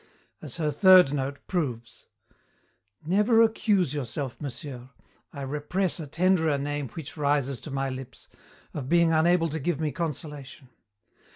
As her third note proves: "'Never accuse yourself, monsieur I repress a tenderer name which rises to my lips of being unable to give me consolation.